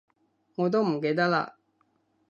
我都唔記得喇